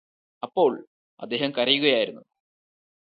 അപ്പോൾ അദ്ദേഹം കരയുകയായിരുന്നു